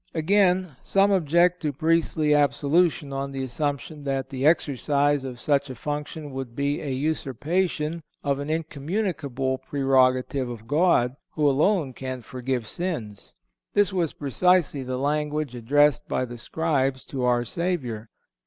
Again, some object to priestly absolution on the assumption that the exercise of such a function would be a usurpation of an incommunicable prerogative of God, who alone can forgive sins. This was precisely the language addressed by the Scribes to our Savior.